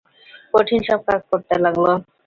কঠিন সব কাজ করতে লাগল।